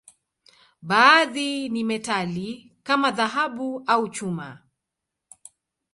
Baadhi ni metali, kama dhahabu au chuma.